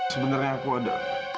sebenarnya aku ada